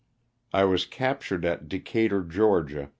I was captured at Decatur, Ga.